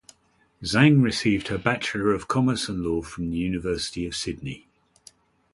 Zhang received her bachelor of commerce and law from The University of Sydney.